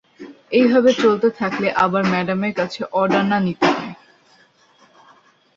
এই ভাবে চলতে থাকলে আবার ম্যাডামের কাছে অর্ডার না নিতে হয়!